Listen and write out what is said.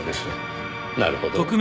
なるほど。